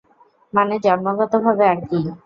মানে জন্মগতভাবে আর কি!